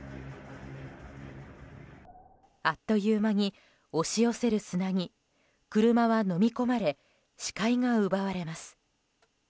あっという間に押し寄せる砂に車は、のみ込まれ視界が奪われます。